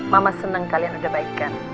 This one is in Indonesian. mama seneng kalian udah baik kan